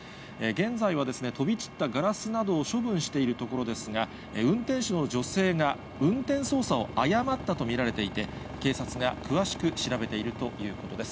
現在は飛び散ったガラスなどを処分しているところですが、運転手の女性が、運転操作を誤ったと見られていて、警察が詳しく調べているということです。